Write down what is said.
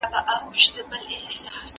که محشر نه دی نو څه دی